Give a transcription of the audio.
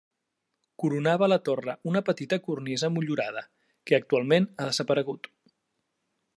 Coronava la torre una petita cornisa motllurada, que actualment ha desaparegut.